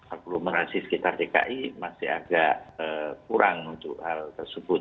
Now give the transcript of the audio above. agglomerasi sekitar dki masih agak kurang untuk hal tersebut